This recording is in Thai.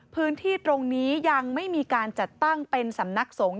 พื้นที่ตรงนี้ยังไม่มีการจัดตั้งเป็นสำนักสงฆ